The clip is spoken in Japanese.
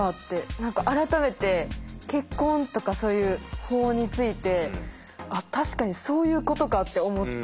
何か改めて結婚とかそういう法について確かにそういうことかって思って。